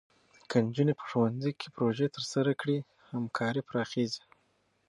که نجونې په ښوونځي کې پروژې ترسره کړي، همکاري پراخېږي.